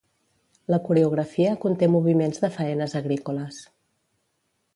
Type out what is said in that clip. La coreografia conté moviments de faenes agrícoles